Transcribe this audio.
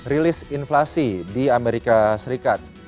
rilis inflasi di amerika serikat